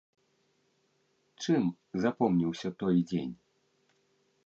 Чым запомніўся той дзень?